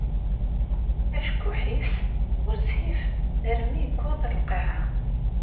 Acekkuḥ-is ɣezzif armi yewweḍ lqaɛa.